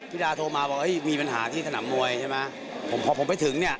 พี่ดาโทรมาบอกเฮ้ยมีปัญหาที่สนามมวยใช่ไหมผมพอผมไปถึงเนี่ย